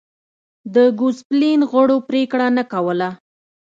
د ګوسپلین غړو پرېکړه نه کوله.